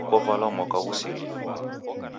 Kovalwa mwaka ghusirie